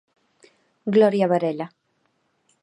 Gloria Varela.